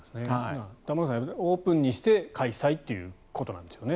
玉川さんが言ったようにオープンにしてから開催っていうことなんですよね。